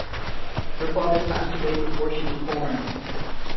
Her father passed away before she was born.